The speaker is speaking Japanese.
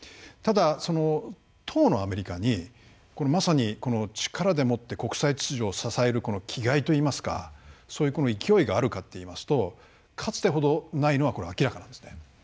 ただ、当のアメリカにまさに力でもって国際秩序を支える気概といいますかそういう勢いがあるかといいますとかつてほどないのは明らかなんですね。